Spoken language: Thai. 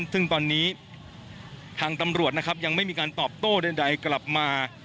ซึ่งตอนนี้ทางตำรวจนะครับยังไม่มีการตอบโต้ใดกลับมา